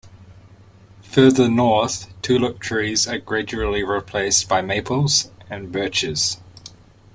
Farther north, tulip trees are gradually replaced by maples and birches.